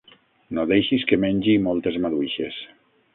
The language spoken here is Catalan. No deixis que mengi moltes maduixes.